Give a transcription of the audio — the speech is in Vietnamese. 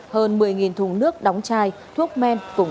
hơn một mươi thùng nước đóng chai thuốc men